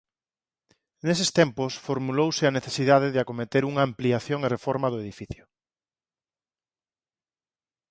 Neses tempos formulouse a necesidade de acometer unha ampliación e reforma do edificio.